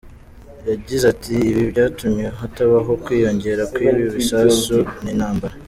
Yagize ati“Ibi byatumye hatabaho kwiyongera kw’ibi bisasu n’intambara.